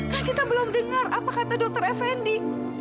kan kita belum dengar apa kata dokter effendi